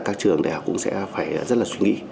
các trường đại học cũng sẽ phải rất là suy nghĩ